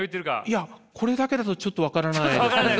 いやこれだけだとちょっと分からないですね。